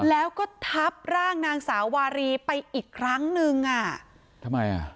แล้วก็ทับร่างนางสาววารีไปอีกครั้งนึงอ่ะทำไมอ่ะ